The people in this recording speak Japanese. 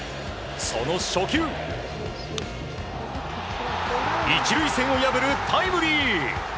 その初球１塁線を破るタイムリー！